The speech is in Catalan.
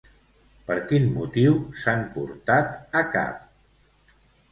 Per quin motiu s'han portat a cap?